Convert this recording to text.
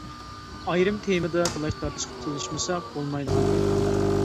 ئايرىم تېمىدا تالاش تارتىش قىلىشمىساق بولمايدىغاندەك تۇرىدۇ.